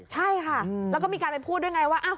ใช่ค่ะแล้วก็มีการไปพูดด้วยไงว่า